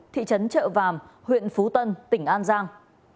thị trấn trợ vàm huyện phú tân tỉnh an giang